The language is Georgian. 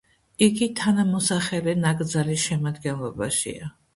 იგი თანამოსახელე ნაკრძალის შემადგენლობაშია.